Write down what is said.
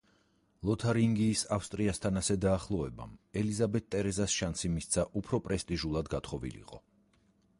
ლოთარინგიის ავსტრიასთან ასე დაახლოვებამ ელიზაბეტ ტერეზას შანსი მისცა უფრო პრესტიჟულად გათხოვილიყო.